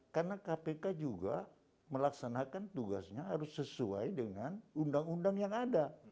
karena kpk juga melaksanakan tugasnya harus sesuai dengan undang undang yang ada